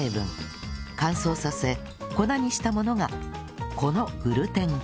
乾燥させ粉にしたものがこのグルテン粉